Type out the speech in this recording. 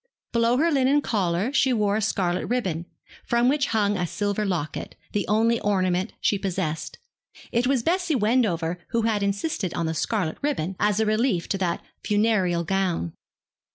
Below her linen collar she wore a scarlet ribbon, from which hung a silver locket, the only ornament she possessed. It was Bessie Wendover who had insisted on the scarlet ribbon, as a relief to that funereal gown.